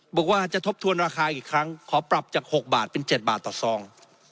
บอกว่าจะทบทวนราคาอีกครั้งขอปรับจาก๖บาทเป็น๗บาทต่อซอง